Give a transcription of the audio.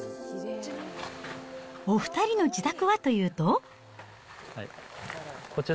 お２人の自宅はというと。